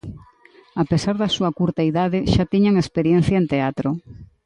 A pesar da súa curta idade, xa tiñan experiencia en teatro.